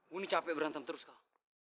bu ini capek berantem terus kal